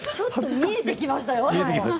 見えてきましたよ。